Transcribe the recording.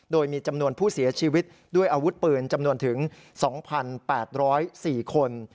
โดยมีจำนวนผู้เสียชีวิตด้วยอาวุธปืนจำนวนถึง๒๘๐๔คน